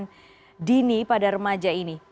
dan dini pada remaja ini